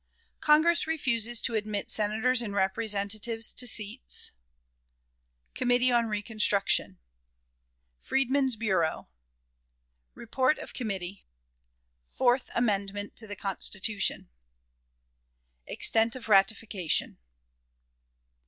Congress refuses to admit Senators and Representatives to Seats. Committee on "Reconstruction." Freedmen's Bureau. Report of Committee. Fourteenth Amendment to the Constitution. Extent of Ratification.